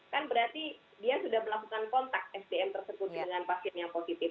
kan berarti dia sudah melakukan kontak sdm tersebut dengan pasien yang positif